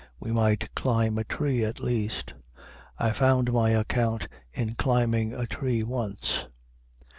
We might climb a tree, at least. I found my account in climbing a tree once.